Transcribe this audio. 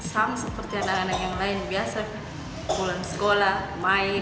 sama seperti anak anak yang lain biasa pulang sekolah main